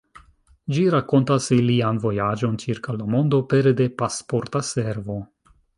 Ĝi rakontas ilian vojaĝon ĉirkaŭ la mondo pere de Pasporta Servo.